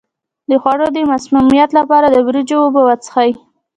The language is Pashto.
د خوړو د مسمومیت لپاره د وریجو اوبه وڅښئ